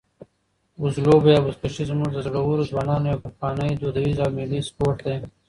وزلوبه یا بزکشي زموږ د زړورو ځوانانو یو پخوانی، دودیز او ملي سپورټ دی.